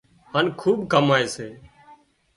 هانَ خوٻ ڪمائي سي